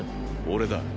俺だ。